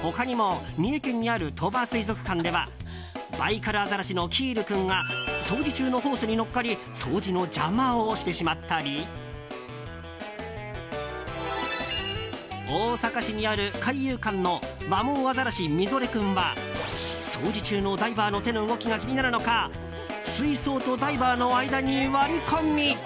他にも三重県にある鳥羽水族館ではバイカルアザラシのキール君が掃除中のホースに乗っかり掃除の邪魔をしてしまったり大阪市にある海遊館のワモンアザラシミゾレ君は掃除中のダイバーの手の動きが気になるのか水槽とダイバーの間に割り込み。